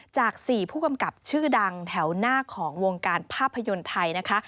จาก๔ผู้กำกับชื่อดังแถวหน้าของวงการภาพยนตร์ไทยนะคะ